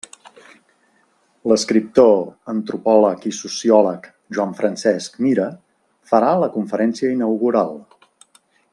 L'escriptor, antropòleg i sociòleg Joan Francesc Mira farà la conferència inaugural.